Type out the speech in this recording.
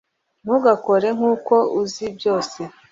Ntugakore nkuko uzi byose